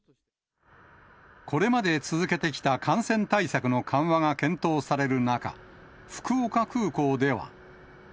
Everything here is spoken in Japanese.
これまで続けてきた感染対策の緩和が検討される中、福岡空港では。